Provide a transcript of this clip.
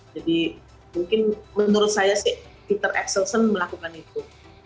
jadi mungkin menurut saya sih victor axelsen melakukan itu